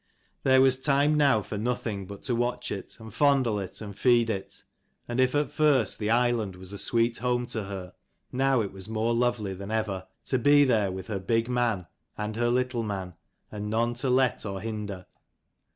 There was time now for nothing but to watch it, and fondle it, and feed it : and if at first the island was a sweet home to her, now it was more lovely than ever, to be there with her big man, and her little man, and none to let or hinder.